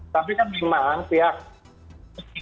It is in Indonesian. tapi kan memang pihak